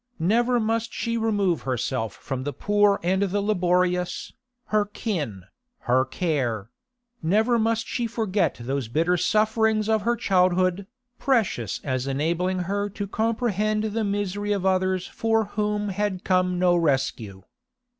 Never must she remove herself from the poor and the laborious, her kin, her care; never must she forget those bitter sufferings of her childhood, precious as enabling her to comprehend the misery of others for whom had come no rescue.